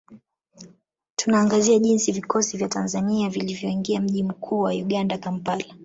Tunaangazia jinsi vikosi vya Tanzania vilivyoingia mji mkuu wa Uganda Kampala